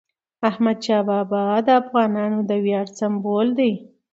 احمدشاه بابا د افغانانو د ویاړ سمبول دی.